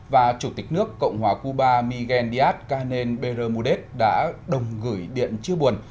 và chủ tịch nước cộng hòa cuba miguel díaz canel berramudet đã đồng gửi điện chê buồn